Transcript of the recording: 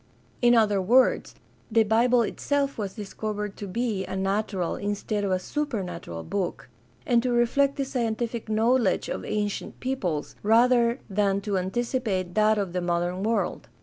In other words, the Bible itself was discovered to be a natural instead of a supernatural book, and to reflect the scientific knowledge of ancient peoples rather than to anticipate that of the modern world.